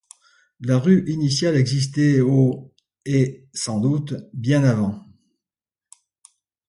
La rue initiale existait au et, sans doute, bien avant.